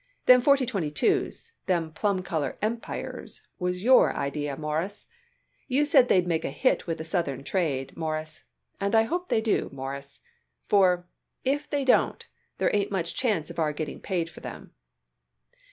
Them forty twenty two's them plum color Empires was your idee, Mawruss. You said they'd make a hit with the Southern trade, Mawruss, and I hope they do, Mawruss, for, if they don't, there ain't much chance of our getting paid for them."